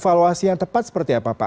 evaluasi yang tepat seperti apa pak